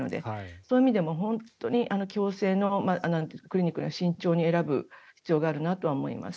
そういう意味でも矯正のクリニックは慎重に選ぶ必要があるなと思います。